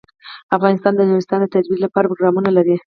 افغانستان د نورستان د ترویج لپاره پروګرامونه لري.